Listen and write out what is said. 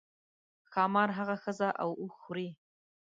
ښامار هغه ښځه او اوښ خوري.